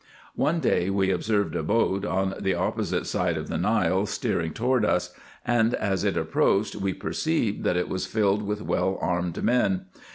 One day we observed a boat on the opposite side of the Nile steering toward us, and as it approached we perceived, that it was filled with well armed men.